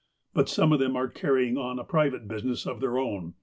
But some of them are carrying on a private business of their own.